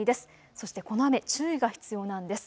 そしてこの雨、注意が必要なんです。